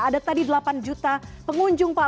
ada tadi delapan juta pengunjung pak